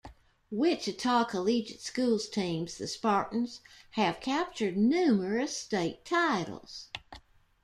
Wichita Collegiate School's teams, the Spartans, have captured numerous state titles.